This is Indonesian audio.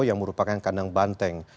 yang merupakan kandang banteng